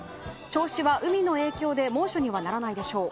銚子は海の影響で猛暑にはならないでしょう。